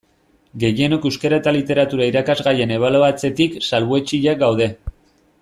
Gehienok Euskara eta Literatura irakasgaian ebaluatzetik salbuetsiak gaude.